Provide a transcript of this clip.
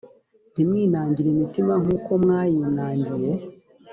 ntimwinangire imitima nk uko mwayinangiye